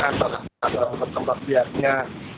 untuk melakukan penjagaan atau tempat biarnya